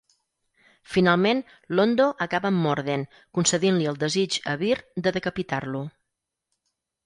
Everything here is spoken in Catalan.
Finalment, Londo acaba amb Morden concedint-li el desig a Vir de decapitar-lo.